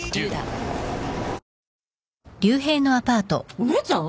お姉ちゃん！？